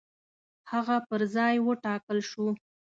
هغه پر ځای وټاکل شو.